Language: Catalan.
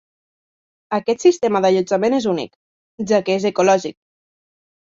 Aquest sistema d'allotjament és únic, ja que és ecològic.